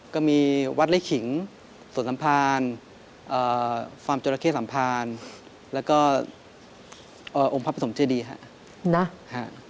ก็มีวัดไล่ขิงสวนสัมภารฟาร์มจราเข้สัมภารแล้วก็องค์พระปฐมเจดีฮะ